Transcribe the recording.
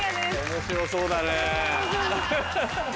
面白そうだね。